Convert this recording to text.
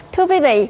thưa quý vị